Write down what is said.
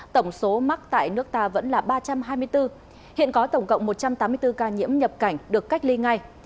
tổng số mắc tại nước ta vẫn là ba trăm hai mươi bốn hiện có tổng cộng một trăm tám mươi bốn ca nhiễm nhập cảnh được cách ly ngay